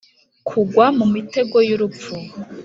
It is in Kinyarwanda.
Kugwa mu mitego y urupfu b